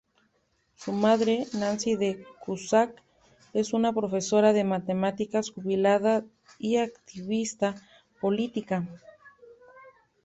Su madre, Nancy de Cusack, es una profesora de matemáticas jubilada y activista política.